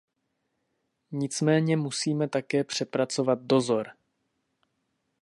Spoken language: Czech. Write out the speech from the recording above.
Nicméně musíme také přepracovat dozor.